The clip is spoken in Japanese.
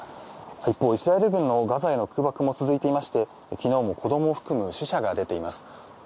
一方、イスラエル軍のガザへの空爆も続いていまして昨日も子どもを含む死者が出ています。